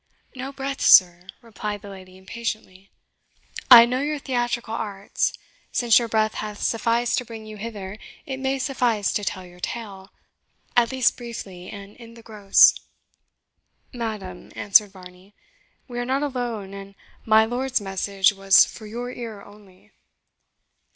"No breath, sir," replied the lady impatiently; "I know your theatrical arts. Since your breath hath sufficed to bring you hither, it may suffice to tell your tale at least briefly, and in the gross." "Madam," answered Varney, "we are not alone, and my lord's message was for your ear only."